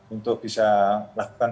untuk bisa lakukan